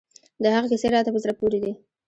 د هغه کیسې راته په زړه پورې دي.